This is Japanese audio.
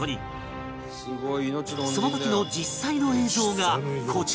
その時の実際の映像がこちら